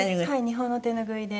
日本の手拭いで。